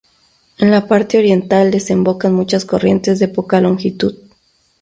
En la parte oriental desembocan muchas corrientes de poca longitud.